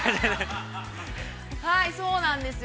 ◆はい、そうなんですよ。